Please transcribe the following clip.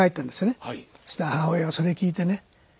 そしたら母親がそれ聴いてね